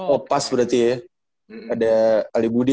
oh pas berarti ya ada alibudi